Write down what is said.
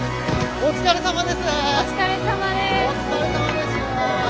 お疲れさまです。